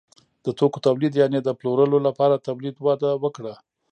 د توکو تولید یعنې د پلورلو لپاره تولید وده وکړه.